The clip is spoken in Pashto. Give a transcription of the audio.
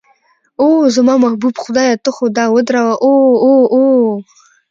اوه، زما محبوب خدایه ته خو دا ودروه، اوه اوه اوه.